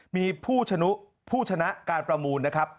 มีผู้ชนะการประมูลนะครับ